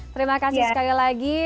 terima kasih sekali lagi